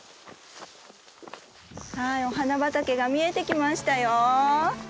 はいお花畑が見えてきましたよ。